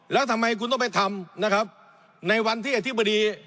แล้วทำไมคุณต้องไปทำนะครับในวันที่อธิบดี